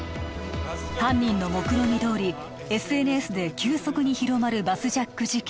犯人のもくろみどおりＳＮＳで急速に広まるバスジャック事件